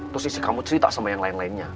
terus isi kamu cerita sama yang lain lainnya